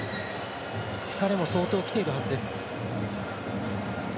疲れも、相当きているはずです。